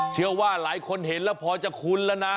เชื่อว่าหลายคนเห็นแล้วพอจะคุ้นแล้วนะ